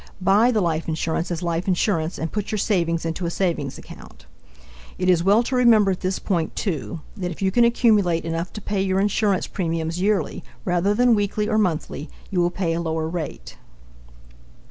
Buy the life insurance as life insurance and put your savings into a savings account. It is well to remember at this point, too, that if you can accumulate enough to pay your insurance premiums yearly rather than weekly or monthly you will pay a lower rate.